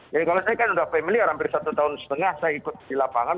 ya kalau saya kan sudah familiar hampir satu lima tahun saya ngikut di lapangan